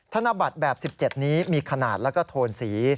ธนบัตรแบบ๑๗นี้มีขนาดแล้วก็โทนสี